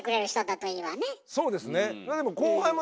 そうですね。